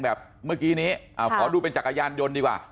เมื่อกี้นี้ขอดูเป็นจักรยานยนต์ดีกว่า